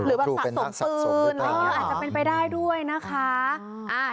หรือเป็นสัตว์สมปืนอาจจะเป็นไปได้ด้วยนะคะ